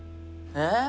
えっ？